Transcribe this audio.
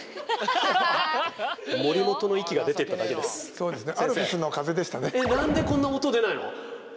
そうですね。